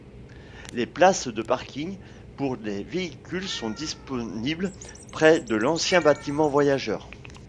Des places de parking pour les véhicules sont disponibles près de l'ancien bâtiment voyageurs.